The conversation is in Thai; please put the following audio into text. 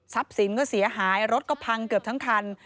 สินก็เสียหายรถก็พังเกือบทั้งคัน